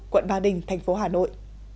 quận ba đình thành phố hà nội